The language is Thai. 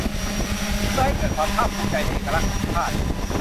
เพื่อให้เกิดความภาคภูมิใจในเอกลักษณ์ของชาติ